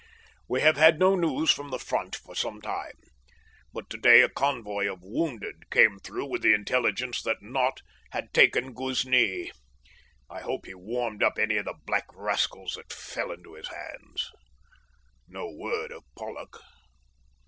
We have had no news from the Front for some time, but to day a convoy of wounded came through with the intelligence that Nott had taken Ghuznee. I hope he warmed up any of the black rascals that fell into his hands. No word of Pollock.